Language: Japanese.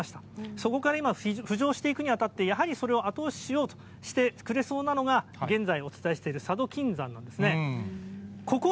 そこから今、浮上していくにあたって、やはりそれを後押ししてくれそうなのが、現在、お伝えしている佐渡金山なんですね。